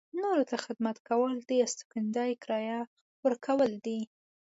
نورو ته خدمت کول د استوګنځي کرایه ورکول دي.